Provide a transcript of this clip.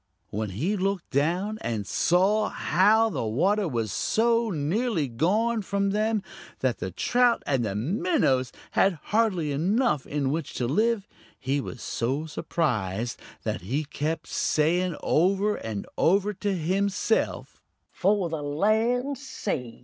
When he looked down and saw how the water was so nearly gone from them that the trout and the minnows had hardly enough in which to live, he was so surprised that he kept saying over and over to himself: "Fo' the lan's sake!